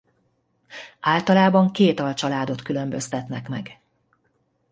Általában két alcsaládot különböztetnek meg.